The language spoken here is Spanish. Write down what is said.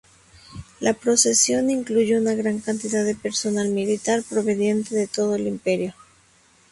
La procesión incluyó una gran cantidad de personal militar proveniente de todo el Imperio.